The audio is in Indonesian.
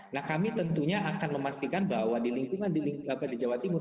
nah kami tentunya akan memastikan bahwa di lingkungan di jawa timur